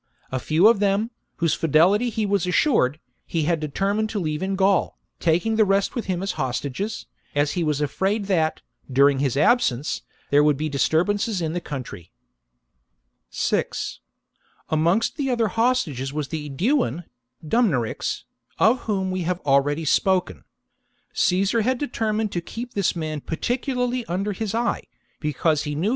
A few of them, of whose fidelity he was assured, he had determined to leave in Gaul, taking the rest with him as hostages, as he was afraid that, during his absence, there would be disturb ances in the country. 6. Amongst the other hostap^es was the intrigues of •^^ Dumnorix. Aeduan, Dumnorix, of whom we have already spoken. Caesar had determined to keep this man particularly under his eye, because he knew K 130 CAESAR'S SECOND INVASION book 54 B.C.